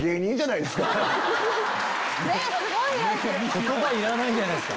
言葉いらないじゃないですか。